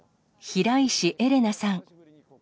平石エレナさん。